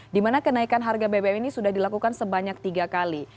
di mana kenaikan harga bbm ini sudah dilakukan sebanyak tiga kali